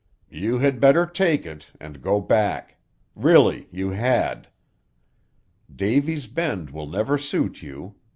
"You had better take it, and go back; really you had. Davy's Bend will never suit you.